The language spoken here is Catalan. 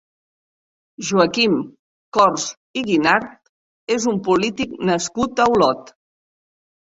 Joaquim Cors i Guinart és un polític nascut a Olot.